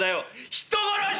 「人殺し！」。